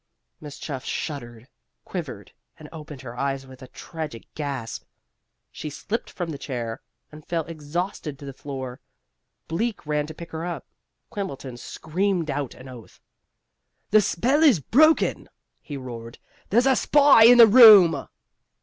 Miss Chuff shuddered, quivered, and opened her eyes with a tragic gasp. She slipped from the chair, and fell exhausted to the floor. Bleak ran to pick her up. Quimbleton screamed out an oath. "The spell is broken!" he roared. "There's a spy in the room!"